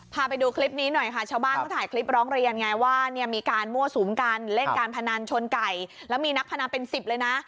พาไปดูคลิปนี้หน่อยค่ะชาวบ้านเขาถ่ายคลิปร้องเรียนไงว่าเนี่ยมีการมั่วสุมกันเล่นการพนันชนไก่แล้วมีนักพนันเป็นสิบเลยนะ